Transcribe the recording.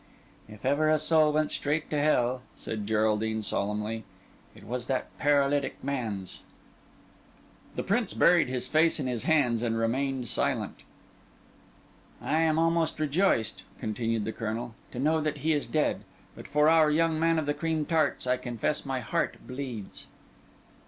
"If ever a soul went straight to Hell," said Geraldine solemnly, "it was that paralytic man's." The Prince buried his face in his hands, and remained silent. "I am almost rejoiced," continued the Colonel, "to know that he is dead. But for our young man of the cream tarts I confess my heart bleeds."